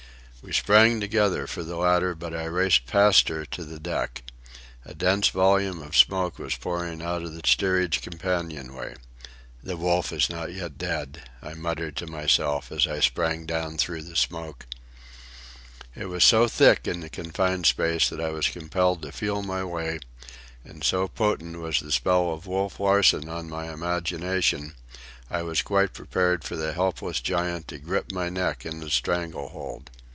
We sprang together for the ladder, but I raced past her to the deck. A dense volume of smoke was pouring out of the steerage companion way. "The Wolf is not yet dead," I muttered to myself as I sprang down through the smoke. It was so thick in the confined space that I was compelled to feel my way; and so potent was the spell of Wolf Larsen on my imagination, I was quite prepared for the helpless giant to grip my neck in a strangle hold.